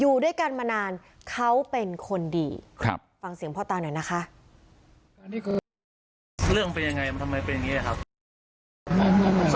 อยู่ด้วยกันมานานเขาเป็นคนดีครับฟังเสียงพ่อตาหน่อยนะคะเรื่องเป็นยังไงมันทำไมเป็นอย่างเงี้ยครับ